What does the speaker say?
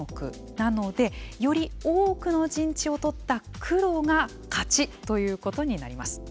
なのでより多くの陣地を取った黒が勝ちということになります。